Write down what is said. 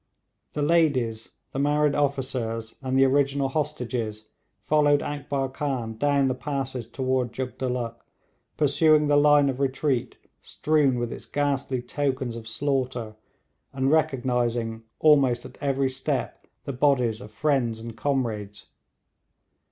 The ladies, the married officers, and the original hostages, followed Akbar Khan down the passes toward Jugdulluk, pursuing the line of retreat strewn with its ghastly tokens of slaughter, and recognising almost at every step the bodies of friends and comrades.